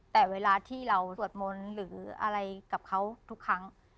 แต่เวลาที่เราสวดมนต์หรืออะไรกับเขาทุกครั้ง